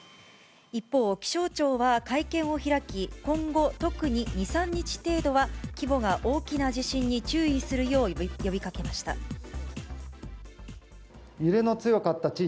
一方、気象庁は会見を開き、今後、特に２、３日程度は規模が大きな地震に注意するよう呼びかけました。